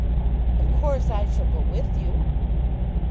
"Of course I shall go with you."